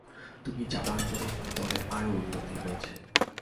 তুমি যাবার পর দলের আরও উন্নতি হয়েছে।